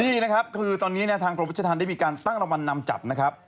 นี่นะครับคือตอนนี้เนี่ยทางกรมราชธรรมได้มีการตั้งรางวัลนำจับนะครับ